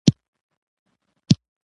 پرمختللې ټولنه د علم او اخلاقو ګډه بڼه لري.